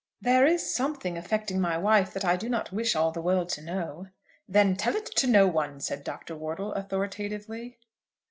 "There is something affecting my wife that I do not wish all the world to know." "Then tell it to no one," said Dr. Wortle, authoritatively.